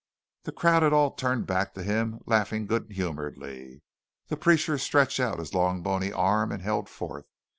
The crowd had all turned back to him, laughing good humouredly. The preacher stretched out his long bony arm, and held forth.